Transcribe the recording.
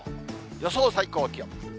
予想最高気温。